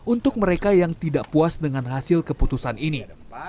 untuk mereka yang tidak puas dengan hasil keputusan ini